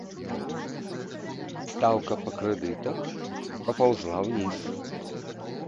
Стаўка па крэдытах папаўзла ўніз.